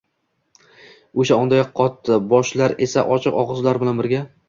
o‘sha ondayoq qotdi, boshlar esa ochiq og‘izlar bilan birga